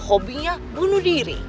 hobinya bunuh diri